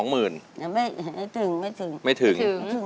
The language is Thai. ไม่ถึง